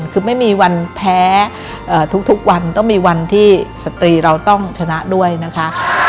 คือไม่มีวันแพ้ทุกวันต้องมีวันที่สตรีเราต้องชนะด้วยนะคะ